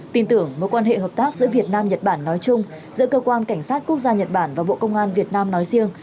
tin tưởng mối quan hệ hợp tác giữa việt nam nhật bản nói chung giữa cơ quan cảnh sát quốc gia nhật bản và bộ công an việt nam nói riêng